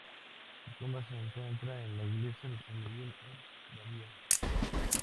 Su tumba se encuentra en la Iglesia de San Miguel en Baviera.